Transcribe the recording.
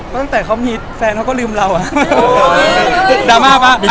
ตั้งแต่แฟนเขาก็ลืมเราอะ